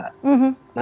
nah terima kasih